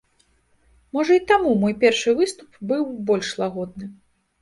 Можа і таму мой першы выступ быў больш лагодны.